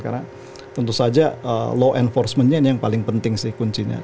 karena tentu saja law enforcement nya ini yang paling penting sih kuncinya